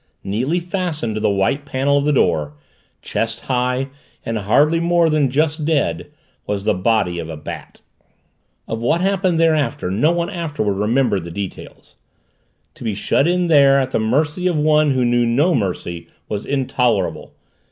Neatly fastened to the white panel of the door, chest high and hardly more than just dead, was the body of a bat. Of what happened thereafter no one afterward remembered the details. To be shut in there at the mercy of one who knew no mercy was intolerable.